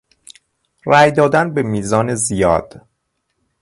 رای دادن به میزان زیاد